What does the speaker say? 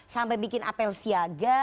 sampai bikin apel siaga